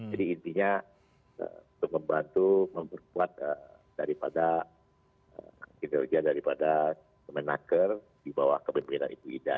jadi intinya untuk membantu memperkuat daripada kinerja daripada kemenaker di bawah kebenaran ibu ida